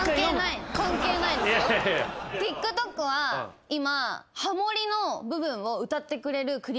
ＴｉｋＴｏｋは今。